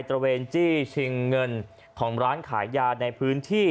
ระเวนจี้ชิงเงินของร้านขายยาในพื้นที่